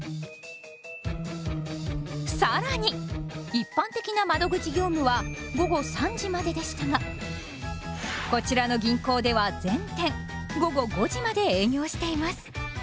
更に一般的な窓口業務は午後３時まででしたがこちらの銀行では全店午後５時まで営業しています。